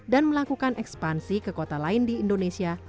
dan melakukan ekspansi ke kota lain di indonesia